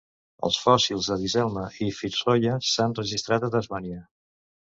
Els fòssils de "Diselma" i "Fitzroya" s'han registrat a Tasmània.